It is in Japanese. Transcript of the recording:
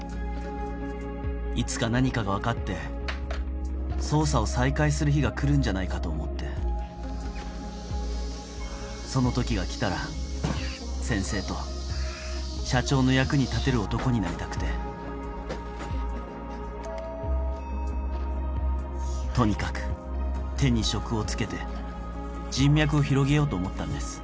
いつか何かが分かって捜査を再開する日が来るんじゃないかと思ってその時が来たら先生と社長の役に立てる男になりたくてとにかく手に職を付けて人脈を広げようと思ったんです